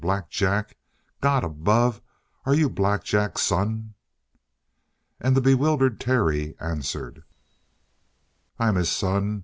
"Black Jack! God above, are you Black Jack's son?" And the bewildered Terry answered: "I'm his son.